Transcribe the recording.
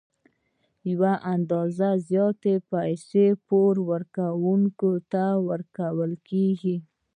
یوه اندازه زیاتې پیسې پور ورکوونکي ته ورکول کېږي